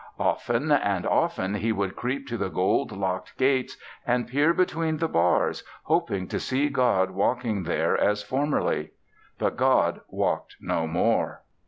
Often and often he would creep to the gold locked gates and peer between the bars, hoping to see God walking there as formerly. But God walked no more.